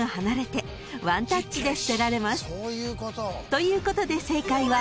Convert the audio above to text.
［ということで正解は］